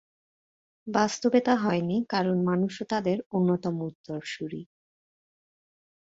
বাস্তবে তা হয়নি, কারণ মানুষও তাদের অন্যতম উত্তরসূরী।